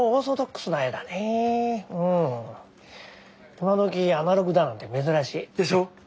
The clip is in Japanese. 今どきアナログだなんて珍しい。でしょ？